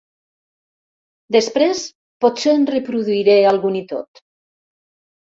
Després potser en reproduiré algun i tot.